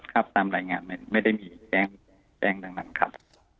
ครับตามรายงานไม่ได้มีแจ้งแจ้งดังนั้นครับ